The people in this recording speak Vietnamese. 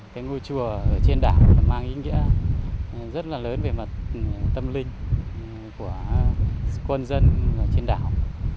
cái ngôi chùa trên đảo mang ý nghĩa rất là lớn về mặt tâm linh của quân dân trên đảo